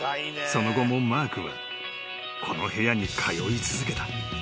［その後もマークはこの部屋に通い続けた］